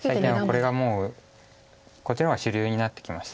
最近はこれがもうこっちの方が主流になってきました。